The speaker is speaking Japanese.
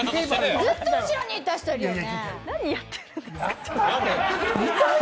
ずっと後ろにいた人いるよね。